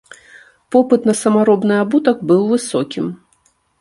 Попыт на самаробны абутак быў высокім.